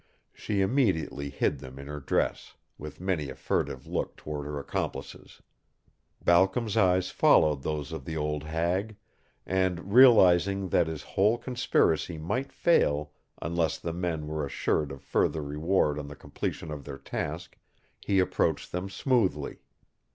She immediately hid them in her dress, with many a furtive look toward her accomplices. Balcom's eyes followed those of the old hag, and, realizing that his whole conspiracy might fail unless the men were assured of further reward on the completion of their task, he approached them smoothly.